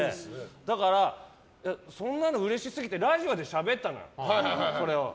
だから、そんなのうれしすぎてラジオでしゃべったのよ、これを。